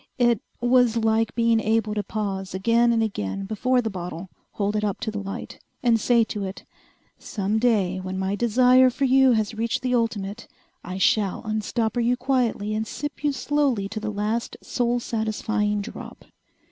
It was like being able to pause again and again before the bottle, hold it up to the light, and say to it, "Some day, when my desire for you has reached the ultimate, I shall unstopper you quietly and sip you slowly to the last soul satisfying drop."